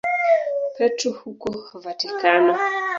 Petro huko Vatikano.